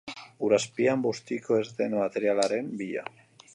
Ur azpian bustiko ez den materialaren bila.